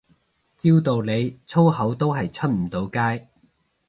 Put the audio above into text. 照道理粗口都係出唔到街